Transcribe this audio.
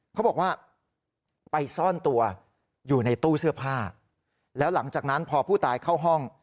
เขาบอกว่าไปซ่อนตัวอยู่ในตู้เสื้อผ้าแล้วหลังจากนั้นพอผู้ตายเข้าห้อง